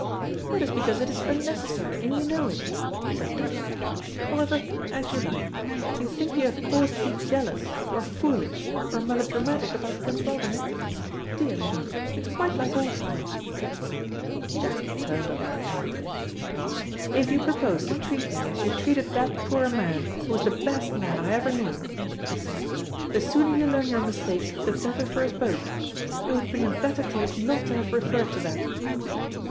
"That is because it is unnecessary, and you know it," said Dodo. "However, as you like. You think you have cause to be jealous or foolish or melodramatic about Prince Waldenech. Dear me, it is quite like old times." Jack turned on her angrily. "If you propose to treat me as you treated that poor man, who was the best man I ever knew," he said, "the sooner you learn your mistake the better for us both. It would have been in better taste not to have referred to that."